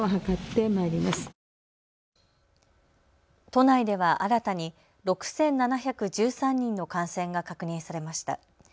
都内では新たに６７１３人の感染が確認されました。